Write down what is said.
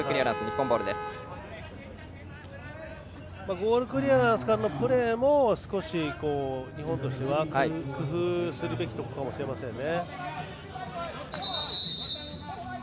ゴールクリアランスからのプレーも少し日本としては工夫すべきところかもしれませんね。